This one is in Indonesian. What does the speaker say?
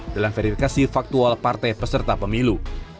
dalam verifikasi faktual partai peserta pemilu